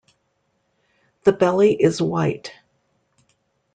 The belly is white.